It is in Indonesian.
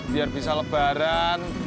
biar bisa lebaran